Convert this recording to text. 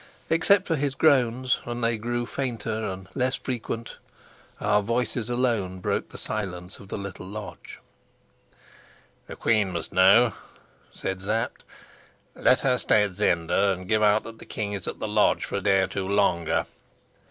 Except for his groans and they grew fainter and less frequent our voices alone broke the silence of the little lodge. "The queen must know," said Sapt. "Let her stay at Zenda and give out that the king is at the lodge for a day or two longer.